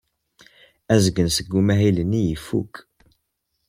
Azgen seg umahil-nni ifuk.